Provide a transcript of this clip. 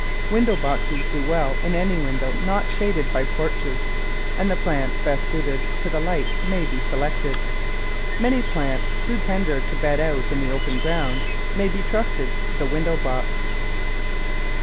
Window boxes do well in any window not shaded by porches, and the plants best suited to the light may be selected. Many plants too tender to bed out in the open ground may be trusted to the window box.